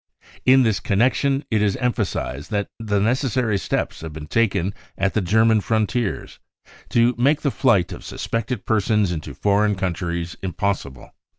In this connection, it is emphasised that the necessary steps have been taken at the German frontiers, to make the flight of suspected persons into foreign countries impossible.